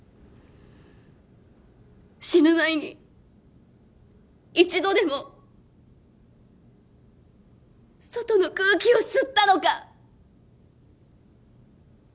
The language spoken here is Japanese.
死ぬ前に一度でも外の空気を吸ったのか。